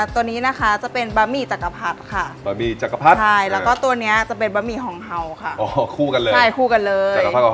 ตัวนี้นะคะจะเป็นแบบบีจักรผัสค่ะแล้วก็ตัวนี้จะเป็นแบบบีหองเทียวค่ะ